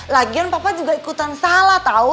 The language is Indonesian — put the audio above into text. lagian papa juga ikutan salah tahu